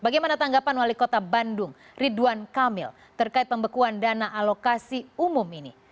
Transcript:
bagaimana tanggapan wali kota bandung ridwan kamil terkait pembekuan dana alokasi umum ini